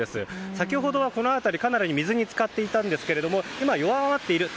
先ほど、この辺りかなり水に浸かっていたんですが今、弱まっています。